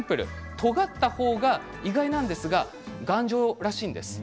とがった方が意外なんですが頑丈らしいです。